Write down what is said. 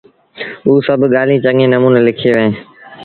اوٚ سڀ ڳآليٚنٚ چڱي نموٚني لکيݩ وهينٚ